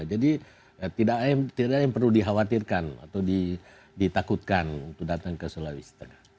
jadi tidak ada yang perlu dikhawatirkan atau ditakutkan untuk datang ke sulawesi tengah